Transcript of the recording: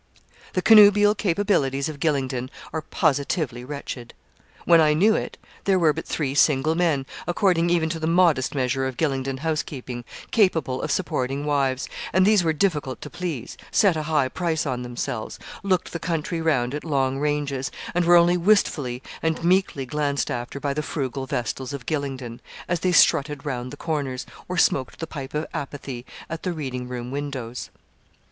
The connubial capabilities of Gylingden are positively wretched. When I knew it, there were but three single men, according even to the modest measure of Gylingden housekeeping, capable of supporting wives, and these were difficult to please, set a high price on themselves looked the country round at long ranges, and were only wistfully and meekly glanced after by the frugal vestals of Gylingden, as they strutted round the corners, or smoked the pipe of apathy at the reading room windows.